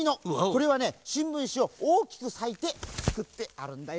これはねしんぶんしをおおきくさいてつくってあるんだよ。